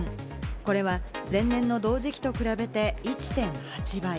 これは前年の同時期と比べて１．８倍。